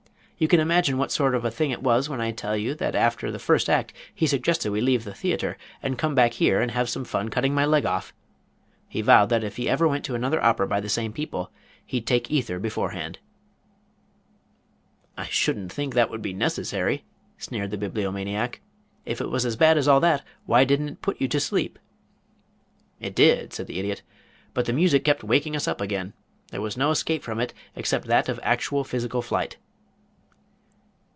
You can imagine what sort of a thing it was when I tell you that after the first act he suggested we leave the theater and come back here and have some fun cutting my leg off. He vowed that if he ever went to another opera by the same people he'd take ether beforehand." "I shouldn't think that would be necessary," sneered the Bibliomaniac. "If it was as bad as all that why didn't it put you to sleep?" "It did," said the Idiot. "But the music kept waking us up again. There was no escape from it except that of actual physical flight."